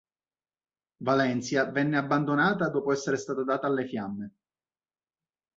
Valencia venne abbandonata, dopo essere stata data alle fiamme.